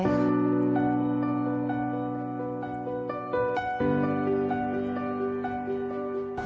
ไว้